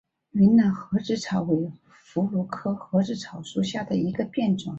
云南盒子草为葫芦科盒子草属下的一个变种。